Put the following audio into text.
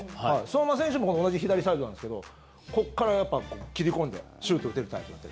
相馬選手も同じ左サイドなんですけどこっから切り込んでシュートを打てるタイプ。